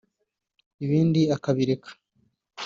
ibindi akabireka